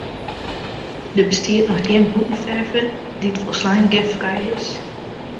Der bestiet noch gjin bûtenferve dy't folslein giffrij is.